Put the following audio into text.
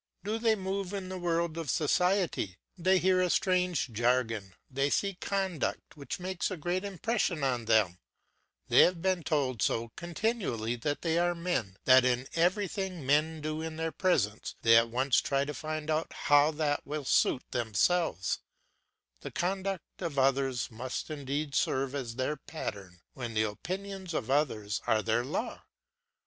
Do they move in the world of society, they hear a strange jargon, they see conduct which makes a great impression on them; they have been told so continually that they are men that in everything men do in their presence they at once try to find how that will suit themselves; the conduct of others must indeed serve as their pattern when the opinions of others are their law.